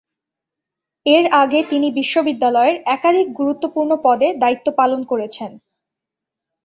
এর আগে তিনি বিশ্ববিদ্যালয়ের একাধিক গুরুত্বপূর্ণ পদে দায়িত্ব পালন করেছেন।